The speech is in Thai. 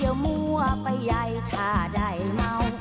มั่วไปใหญ่ถ้าได้เมา